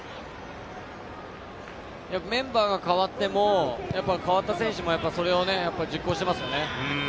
メンバーが代わっても、代わった選手もやっぱりそれを実行してますよね。